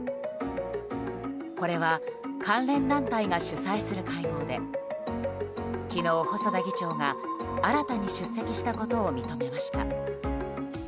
これは関連団体が主催する会合で昨日、細田議長が新たに出席したことを認めました。